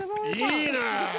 いいね。